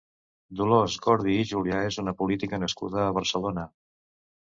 Dolors Gordi i Julià és una política nascuda a Barcelona.